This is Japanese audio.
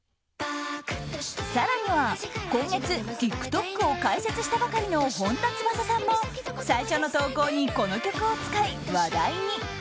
更には、今月ＴｉｋＴｏｋを開設したばかりの本田翼さんも最初の投稿にこの曲を使い、話題に。